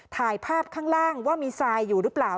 ถ่ายภาพข้างล่างว่ามีทรายอยู่หรือเปล่า